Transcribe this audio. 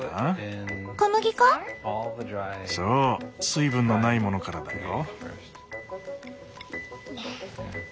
水分のないものからだよ。